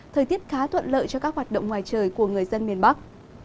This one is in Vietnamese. thời tiết khá thuận lợi cho các hoạt động ngoài trời của người dân miền bắc